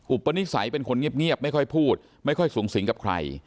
อุปนิสัยเป็นคนเงียบไม่ค่อยพูดไม่ค่อยสูงสิงกับใคร